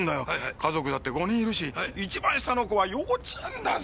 家族だって５人いるし一番下の子は幼稚園だぞ！